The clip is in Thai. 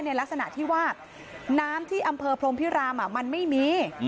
ในลักษณะที่ว่าน้ำที่อำเภอพรมพิรามมันไม่มี